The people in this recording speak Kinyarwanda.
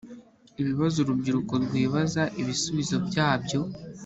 Ibibazo urubyiruko rwibaza ibisubizo byabyo